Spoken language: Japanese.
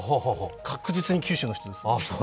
確実に九州の人です。